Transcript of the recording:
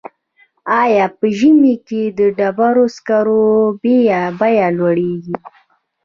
آیا په ژمي کې د ډبرو سکرو بیه لوړیږي؟